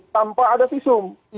tanpa ada fisum